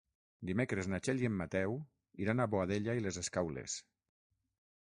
Dimecres na Txell i en Mateu iran a Boadella i les Escaules.